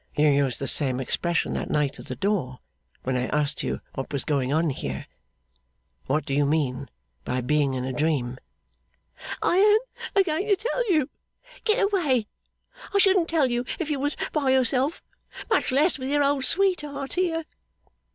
'You used the same expression that night, at the door, when I asked you what was going on here. What do you mean by being in a dream?' 'I an't a going to tell you. Get away! I shouldn't tell you, if you was by yourself; much less with your old sweetheart here.